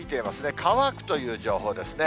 乾くという情報ですね。